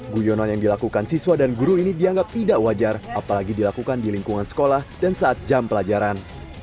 guyonan yang dilakukan siswa dan guru ini dianggap tidak wajar apalagi dilakukan di lingkungan sekolah dan saat jam pelajaran